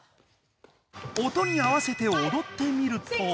音に合わせておどってみると。